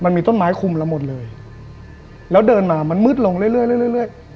มันมีต้นไม้คุมเราหมดเลยแล้วเดินมามันมืดลงเรื่อยเรื่อย